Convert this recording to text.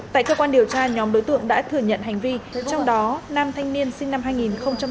tại cơ quan điều tra nhóm đối tượng đã thừa nhận hành vi trong đó nam thanh niên sinh năm hai nghìn sáu có vai trò chủ mưu cầm đầu